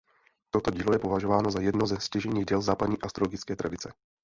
Toto dílo je považováno za jedno ze stěžejních děl západní astrologické tradice.